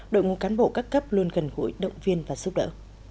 đội ngũ cán bộ các cấp luôn gần gũi động viên và giúp đỡ